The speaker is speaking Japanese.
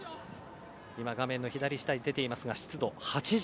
画面の左下に出ていましたが湿度８６％。